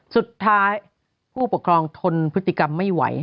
สุดท้ายผู้ปกครองทนพฤติกรรมไม่ไหว